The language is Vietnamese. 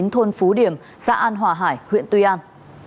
thôn phú điểm xã an hòa hải huyện tuy an